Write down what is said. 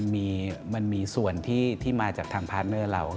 มันมีส่วนที่มาจากทางพาร์ทเนอร์เรา